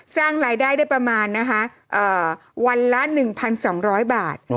สร้างรายได้ได้ประมาณนะคะวันละ๑๒๐๐บาท